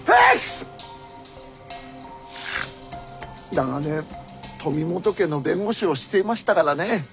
長年富本家の弁護士をしていましたからね